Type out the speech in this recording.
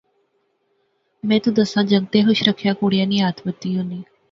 میں تو دساں جنگتے خوش رکھنا کڑیا نی ہتھ بتی ہونی